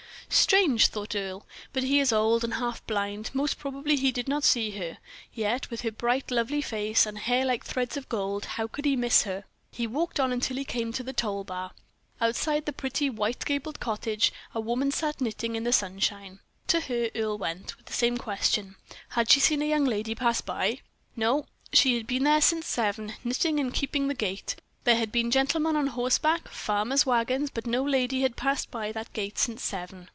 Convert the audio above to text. "Strange," thought Earle; "but he is old and half blind most probably he did not see her; yet, with her bright, lovely face, and hair like threads of gold, how could he miss her?" He walked on until he came to the toll bar. Outside the pretty, white gabled cottage a woman sat knitting in the sunshine. To her Earle went, with the same question "Had she seen a young lady pass by?" "No." She had been there since seven, knitting and keeping the gate. There had been gentlemen on horseback, farmers' wagons, but no young lady had passed by that gate since seven.